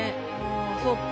そっか。